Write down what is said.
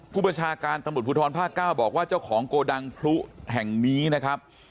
ประชาการตำรวจภูทรภาค๙บอกว่าเจ้าของโกดังพลุแห่งนี้นะครับ